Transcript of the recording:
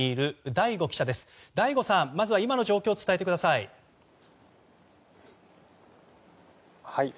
醍醐さん、まずは今の状況を伝えてください。